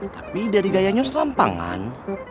tapi dari gayanya selampangan